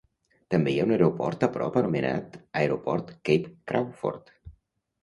També hi ha un aeroport a prop anomenat Aeroport Cape Crawford.